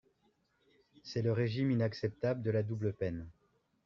C’est le régime inacceptable de la double peine